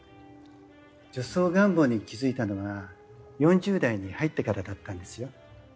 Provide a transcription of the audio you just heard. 女装願望に気付いたのは４０代に入ってからだったんですよ。